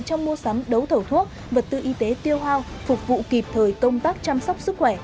trong mua sắm đấu thầu thuốc vật tư y tế tiêu hoa phục vụ kịp thời công tác chăm sóc sức khỏe